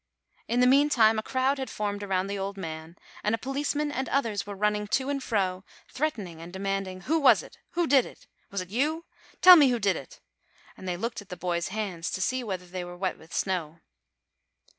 In the meantime a crowd had formed around the old man, and a policeman and others were running to and fro, threatening and demanding: "Who was it? Who did it? Was it you? Tell me who did it!" and they looked at the boys' hands to see whether they were wet with snow.